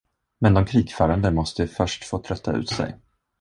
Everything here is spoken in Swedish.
Men de krigförande måste först få trötta ut sig.